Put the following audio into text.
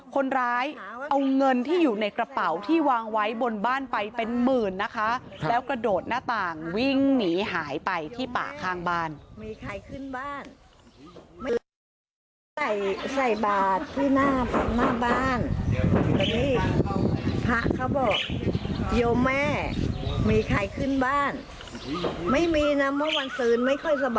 คนร้ายเอาเงินที่อยู่ในกระเป๋าที่วางไว้บนบ้านไปเป็นหมื่นนะคะแล้วกระโดดหน้าต่างวิ่งหนีหายไปที่ป่าข้างบ้าน